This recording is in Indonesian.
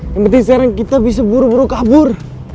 yang penting sekarang kita bisa buru buru kabur